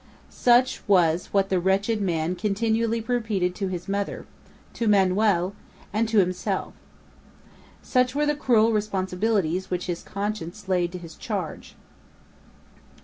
Such was what the wretched man continually repeated to his mother, to Manoel, and to himself. Such were the cruel responsibilities which his conscience laid to his charge.